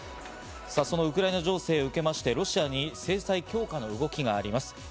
そのウクライナ情勢を受けまして、ロシアに制裁強化の動きがあります。